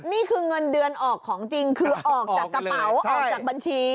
นี่คือเงินเดือนออกของจริงคือออกจากกระเป๋าออกจากบัญชี